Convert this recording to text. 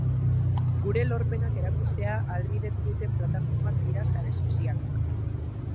Gure lorpenak erakustea ahalbidetu duten plataformak dira sare sozialak.